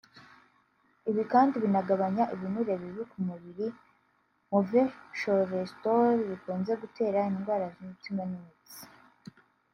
Ibi kandi binagabanya ibinure bibi ku mubiri “Mauvais cholesterol” bikunze gutera indwara z’umutima n’imitsi